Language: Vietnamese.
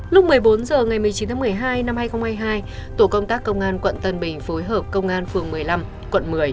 lúc một mươi bốn h ngày một mươi chín tháng một mươi hai năm hai nghìn hai mươi hai tổ công tác công an quận tân bình phối hợp công an phường một mươi năm quận một mươi